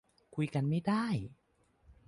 คุยกันไม่ได้